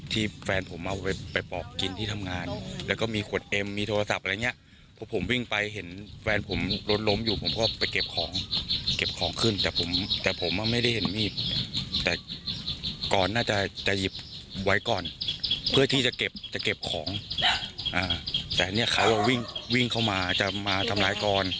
แต่เนี่ยเขาว่าวิ่งเข้ามาจะมาทำร้ายกร